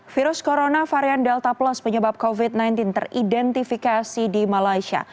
virus corona varian delta plus penyebab covid sembilan belas teridentifikasi di malaysia